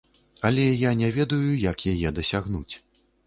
Але я не ведаю, як яе дасягнуць.